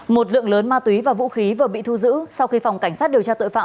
một lượng lớn ma túy và vũ khí vừa bị thu giữ sau khi phòng cảnh sát điều tra tội phạm